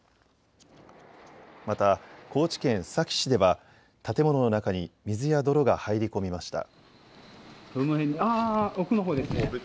また、高知県須崎市では建物の中に水や泥が入り込みました。